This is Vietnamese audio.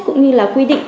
cũng như là quy định